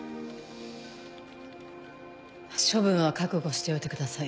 処分は覚悟しておいてください。